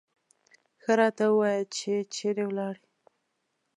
ښه راته ووایه چې چېرې ولاړې.